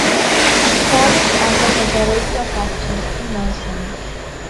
The College offers a variety of options in nursing.